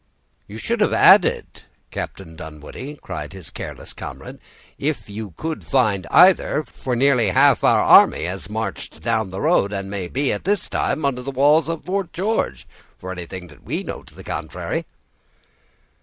"You should have added, Captain Dunwoodie," cried his careless comrade, "if you could find either; for nearly half our army has marched down the road, and may be, by this time, under the walls of Fort George, for anything that we know to the contrary."